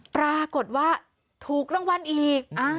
ปรากฏว่าถูกรางวัลอีก